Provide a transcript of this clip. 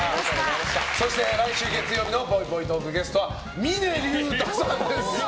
そして来週月曜日のぽいぽいトークゲストは峰竜太さんです。